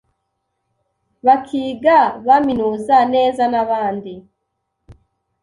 bakiga baminuza neza n,abandi